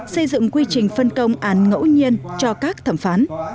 xây dựng quy trình phân công án ngẫu nhiên cho các thẩm phán